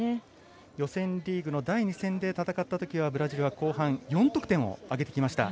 予選リーグ第２戦で戦ったときにはブラジルは後半に４得点を挙げてきました。